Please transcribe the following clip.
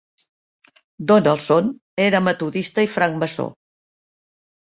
Donaldson era metodista i francmaçó.